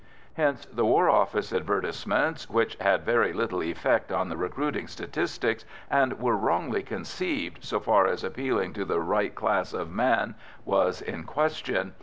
Hence the War Office advertisements, which had very little effect on the recruiting statistics, and were wrongly conceived so far as appealing to the right class of man was in question.